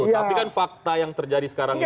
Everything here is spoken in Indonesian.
tapi kan fakta yang terjadi sekarang ini